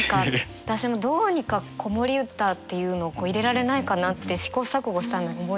私もどうにか子守歌っていうのを入れられないかなって試行錯誤したのに思いつかない。